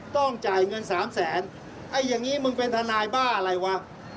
ต้องจ่ายเงินสามแสนไอ้อย่างนี้มึงเป็นทนายบ้าอะไรวะ